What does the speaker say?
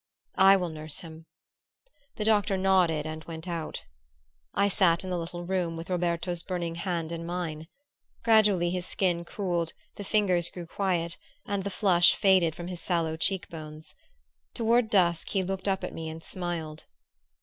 "I will nurse him." The doctor nodded and went out. I sat in the little room, with Roberto's burning hand in mine. Gradually his skin cooled, the fingers grew quiet, and the flush faded from his sallow cheek bones. Toward dusk he looked up at me and smiled.